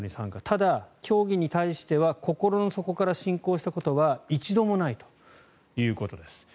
ただ、教義に対しては心の底から信仰したことは一度もないということです。